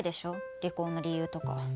離婚の理由とか。